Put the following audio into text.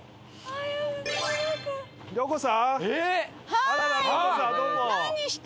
はい。